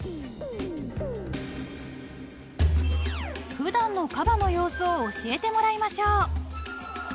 ［普段のカバの様子を教えてもらいましょう］